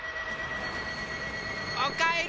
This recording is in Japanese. おかえり！